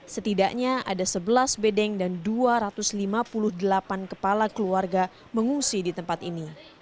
setidaknya ada sebelas bedeng dan dua ratus lima puluh delapan kepala keluarga mengungsi di tempat ini